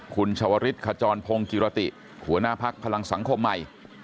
คุณชวริสขจรพงศ์กิรติหัวหน้าพักพลังสังคมใหม่